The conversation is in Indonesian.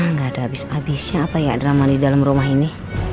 nggak ada abis abisnya apa yang drama di dalam rumah ini